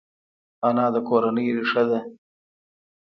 انا د کورنۍ ریښه ده